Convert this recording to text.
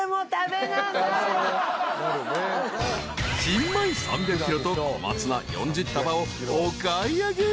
［新米３００ｋｇとコマツナ４０束をお買い上げ。